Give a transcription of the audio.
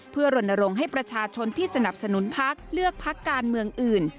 เพื่อเริ่มระดับบลงให้ประชาชนที่สนับสนุนภาคเลือกภาคการเมืองอื่น